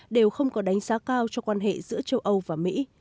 đều không có đánh giá cao cho quan hệ giữa châu âu và mỹ